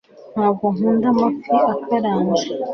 ntabwo nkunda amafi akaranze